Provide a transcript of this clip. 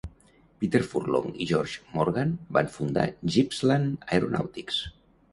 Peter Furlong i George Morgan van fundar Gippsland Aeronautics.